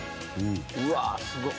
うわすごっ！